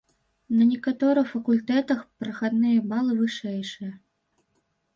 На некаторых факультэтах прахадныя балы вышэйшыя.